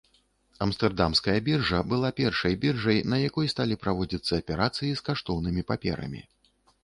Амстэрдамская біржа была першай біржай, на якой сталі праводзіцца аперацыі з каштоўнымі паперамі.